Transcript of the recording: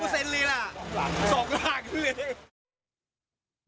สองหลังเลย